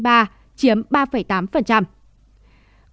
qua thống kê trên cho thấy